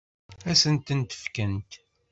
Ad sen-tent-fkent?